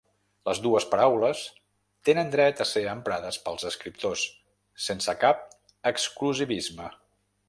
Les dues paraules tenen dret a ser emprades pels escriptors, sense cap exclusivisme.